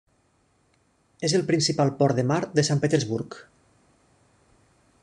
És el principal port de mar de Sant Petersburg.